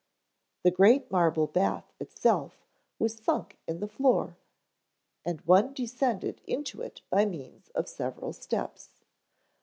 The great marble bath itself was sunk in the floor and one descended into it by means of several steps.